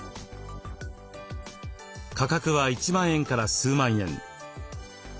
価格は１万円から数万円。